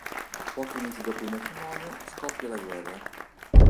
Pochi mesi dopo il matrimonio, scoppia la guerra.